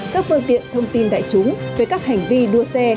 các phương tiện thông tin đại chúng về các hành vi đua xe